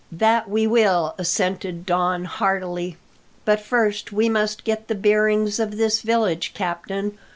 "That we will," assented Don heartily; "but first we must get the bearings of this village, captain.